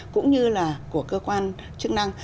cũng như là của cơ quan chức năng